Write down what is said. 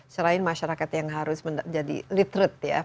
selain masyarakat yang harus menjadi literate ya